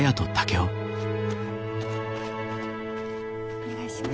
お願いします。